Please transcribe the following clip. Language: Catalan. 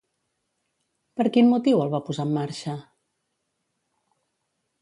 Per quin motiu el va posar en marxa?